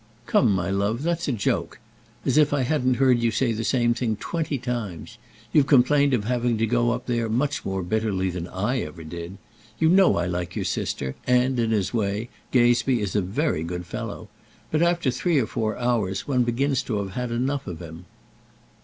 "Come, my love, that's a joke; as if I hadn't heard you say the same thing twenty times. You've complained of having to go up there much more bitterly than I ever did. You know I like your sister, and, in his way, Gazebee is a very good fellow; but after three or four hours, one begins to have had enough of him."